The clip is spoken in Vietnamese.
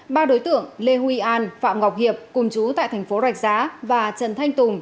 ba đối tượng lê huy an phạm ngọc hiệp cùng chú tại thành phố rạch giá và trần thanh tùng